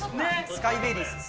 スカイベリーね。